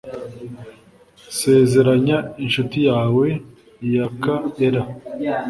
sezeranya inshuti yawe yak era